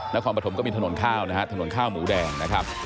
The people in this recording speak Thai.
นครปฐมก็มีถนนข้าวนะฮะถนนข้าวหมูแดงนะครับ